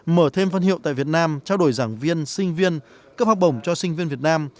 mở thêm phân hiệu tại việt nam trao đổi giảng viên sinh viên cấp học bổng cho sinh viên việt nam